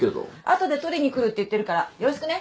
後で取りに来るって言ってるからよろしくね。